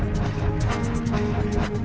kau serang kami